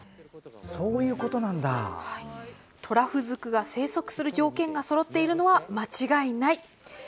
トラフズクが生息する条件がそろっているのは間違いない。